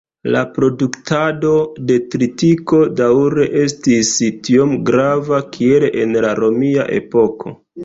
La produktado de tritiko daŭre estis tiom grava kiel en la romia epoko.